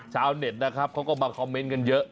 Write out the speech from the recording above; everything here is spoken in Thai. ชาวเน็ตนะครับเขาก็มาคอมเมนต์กันเยอะ